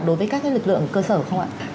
đối với các lực lượng cơ sở không ạ